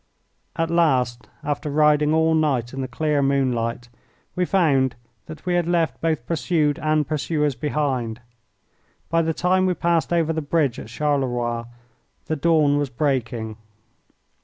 At last, after riding all night in the clear moonlight, we found that we had left both pursued and pursuers behind. By the time we passed over the bridge at Charleroi the dawn was breaking.